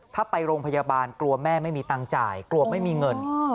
ถ้าไปโรงพยาบาลกลัวแม่ไม่มีตังค์จ่ายกลัวไม่มีเงิน